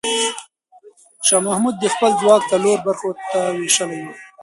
شاه محمود خپل ځواک څلور برخو ته وېشلی و.